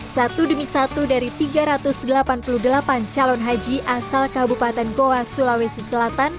satu demi satu dari tiga ratus delapan puluh delapan calon haji asal kabupaten goa sulawesi selatan